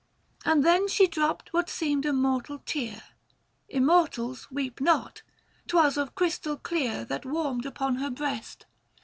" And then she dropped what seemed a mortal tear — Immortals weep not — 'twas of crystal clear, That warmed upon her breast.